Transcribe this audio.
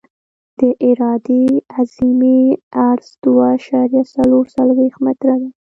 د عرادې اعظمي عرض دوه اعشاریه څلور څلویښت متره دی